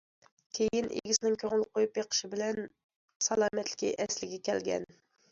كېيىن ئىگىسىنىڭ كۆڭۈل قويۇپ بېقىشى بىلەن سالامەتلىكى ئەسلىگە كەلگەن.